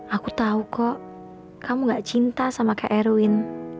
aku tahu kok kamu gak cinta sama kak erwin